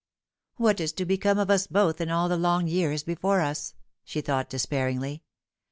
" What is to become of us both in all the long years before us ?" she thought despairingly.